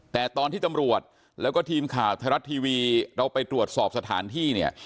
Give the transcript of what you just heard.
แต่ตอนที่ตำรวจแล้วก็ทีมข่าวไทยรัฐทีวีเราไปตรวจสอบสถานที่เนี่ย